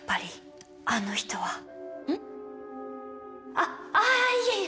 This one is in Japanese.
あっああいえいえ！